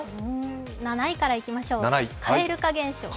７位からいきましょう、蛙化現象。